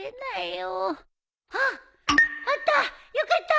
よかった。